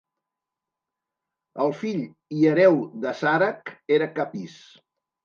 El fill i hereu d'Assàrac era Capis.